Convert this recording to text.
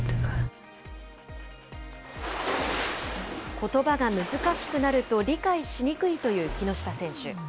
ことばが難しくなると理解しにくいという木下選手。